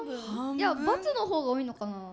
いや×の方が多いのかな。